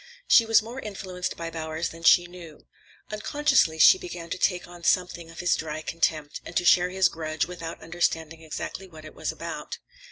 She was more influenced by Bowers than she knew. Unconsciously she began to take on something of his dry contempt, and to share his grudge without understanding exactly what it was about.